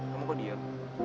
kamu kok diam